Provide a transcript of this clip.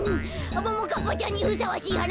「ももかっぱちゃんにふさわしいはな」